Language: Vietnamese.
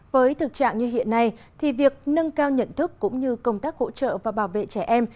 với thực trạng như hiện nay thì việc nâng cao nhận thức cũng như công tác hỗ trợ và bảo vệ trẻ em